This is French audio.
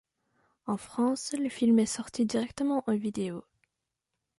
En France, le film est sorti directement en vidéo.